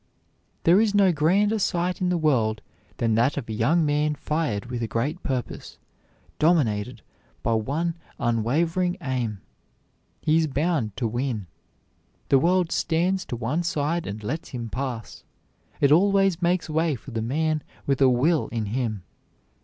There is no grander sight in the world than that of a young man fired with a great purpose, dominated by one unwavering aim. He is bound to win; the world stands to one side and lets him pass; it always makes way for the man with a will in him.